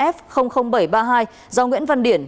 chín mươi tám f bảy trăm ba mươi hai do nguyễn văn điển